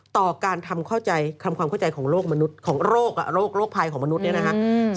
ต่อการทำความเข้าใจของโรคไพของมนุษย์เนี่ยนะฮะ